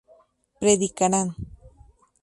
predicarán